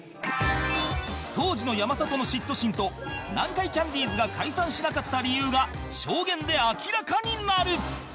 当時の山里の嫉妬心と南海キャンディーズが解散しなかった理由が証言で明らかになる！